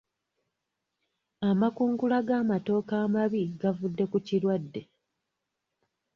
Amakungula g'amatooke amabi gavudde ku kirwadde.